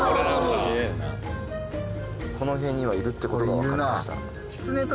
この辺にはいるってことが分かりました